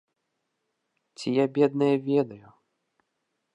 Ці я, бедная, ведаю?